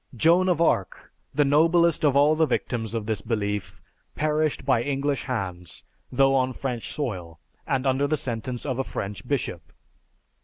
Joan of Arc, the noblest of all the victims of this belief, perished by English hands, though on French soil, and under the sentence of a French bishop.